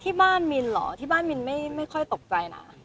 บ้านมินเหรอที่บ้านมินไม่ค่อยตกใจนะ